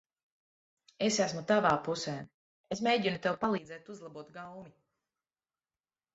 Es esmu tavā pusē. Es mēģinu tev palīdzēt uzlabot gaumi.